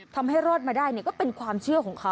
ทำให้รอดมาได้ก็เป็นความเชื่อของเขา